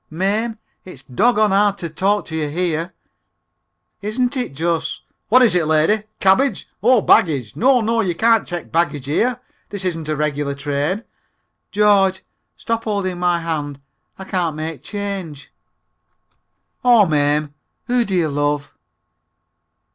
"Mame, it's doggon hard to talk to you here." "Isn't it just! (What is it lady? Cabbage? Oh, baggage! No, no, you can't check baggage here; this isn't a regular train.) George, stop holding my hand! I can't make change!" "Aw, Mame, who do you love?"